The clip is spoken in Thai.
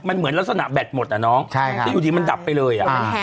มันเหมือนลักษณะแบตหมดอ่ะน้องที่อยู่ดีมันดับไปเลย